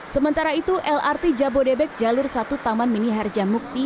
sementara itu lrt jabodebek jalur satu taman mini harjamukti